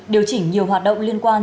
điều chỉnh nhiều hoạt động liên quan